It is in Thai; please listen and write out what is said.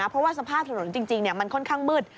เพราะว่าสภาพถนนจริงมันค่อนข้างมืด